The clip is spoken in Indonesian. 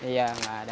iya nggak ada